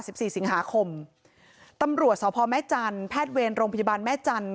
สี่สิงหาคมตำรวจสพแม่จันทร์แพทย์เวรโรงพยาบาลแม่จันท